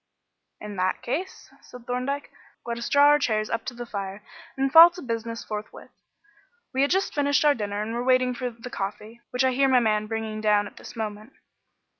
"In that case," said Thorndyke, "let us draw our chairs up to the fire and fall to business forthwith. We had just finished our dinner and were waiting for the coffee, which I hear my man bringing down at this moment."